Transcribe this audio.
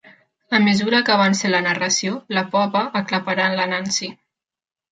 A mesura que avança la narració, la por va aclaparant la Nancy.